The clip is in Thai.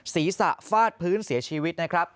ศีรษะฟาดพื้นเสียชีวิต